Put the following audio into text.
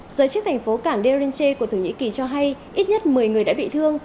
giới chức thành phố cảng derinche của thổ nhĩ kỳ cho hay ít nhất một mươi người đã bị thương